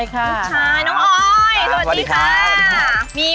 ลูกชายน้องออยสวัสดีค่ะสวัสดีค่ะ